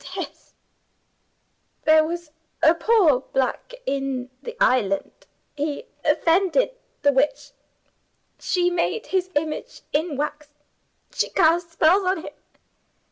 There was a poor black in the island. He offended the Witch. She made his image in wax; she cast spells on him.